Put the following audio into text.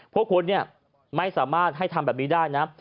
พวกคุณเนี่ยไม่สามารถให้ทำแบบนี้ได้นะ